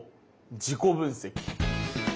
自己分析。